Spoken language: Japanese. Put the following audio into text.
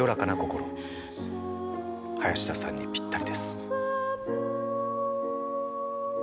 林田さんにぴったりです。